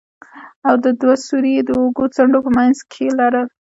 او دوه سوري يې د اوږدو څنډو په منځ کښې لرل.